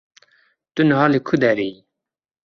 Tu niha li ku derê yî?